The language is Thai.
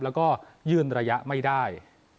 แล้วก็ยื่นระยะไม่ได้